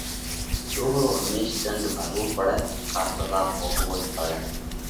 ۮوه رو هميش ڏنڍ ڀروو پڙئه ڪا سزا ڀوڳوَئِي پڙئه۔